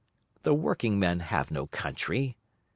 The working men have no country.